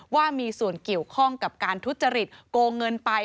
ว่ามีส่วนเกี่ยวข้องกับการทุจริตโกงเงินไป